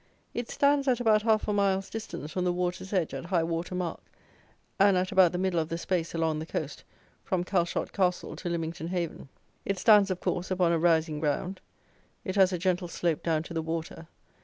It stands at about half a mile's distance from the water's edge at high water mark, and at about the middle of the space along the coast, from Calshot castle to Lymington haven. It stands, of course, upon a rising ground; it has a gentle slope down to the water.